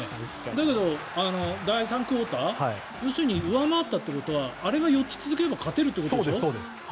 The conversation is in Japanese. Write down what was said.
だけど、第３クオーター要するに上回ったっていうことはあれが４つ続けば勝つということですよね。